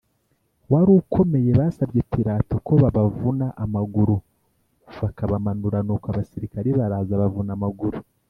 Wari ukomeye basabye pilato ko babavuna amaguru bakabamanura nuko abasirikare baraza bavuna amaguru